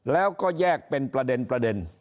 แล้วก็แยกเป็นประเด็น